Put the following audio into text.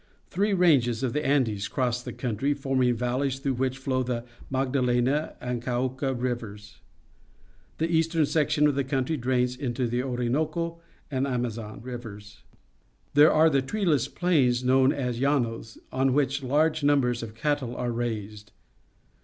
Three ranges of the Andes cross the country, forming val leys through which flow the Macjdalena and Cauca Rivers. The eastern section of the country drains into the Orinoco and Amazon Mule Train arriving at a Coffee Warehouse, Colombia Rivers. There are the treeless plains known as llanos, on which large numbers of cattle are raised.